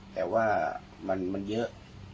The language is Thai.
แต่ว่ามันเยอะ